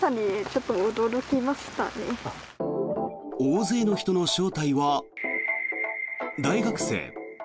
大勢の人の正体は大学生。